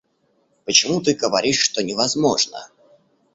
Почему ты говоришь, что невозможно?